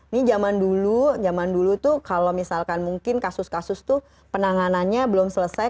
ini zaman dulu zaman dulu tuh kalau misalkan mungkin kasus kasus tuh penanganannya belum selesai